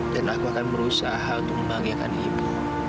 dan aku akan berusaha untuk membagiakan ibu